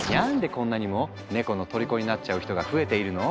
こんなにもネコのとりこになっちゃう人が増えているの？